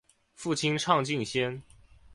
父亲畅敬先。